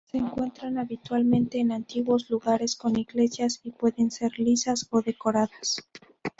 Se encuentran habitualmente en antiguos lugares con iglesias y pueden ser lisas o decoradas.